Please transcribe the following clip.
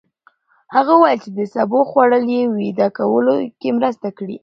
هغه وویل چې د سبو خوړل يې ویده کولو کې مرسته کړې.